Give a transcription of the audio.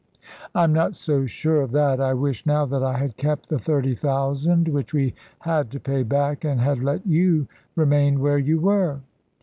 "I am not so sure of that. I wish now that I had kept the thirty thousand which we had to pay back, and had let you remain where you were."